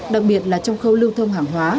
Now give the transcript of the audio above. đặc biệt là trong khâu lưu thông hàng hóa